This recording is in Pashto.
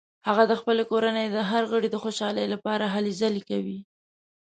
هغه د خپلې کورنۍ د هر غړي د خوشحالۍ لپاره هلې ځلې کوي